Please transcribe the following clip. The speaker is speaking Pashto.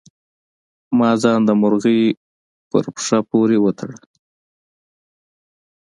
ما ځان د مرغۍ په پښه پورې وتړه.